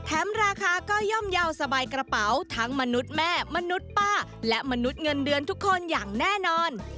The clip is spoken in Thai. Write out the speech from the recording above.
ราคาก็ย่อมเยาว์สบายกระเป๋าทั้งมนุษย์แม่มนุษย์ป้าและมนุษย์เงินเดือนทุกคนอย่างแน่นอน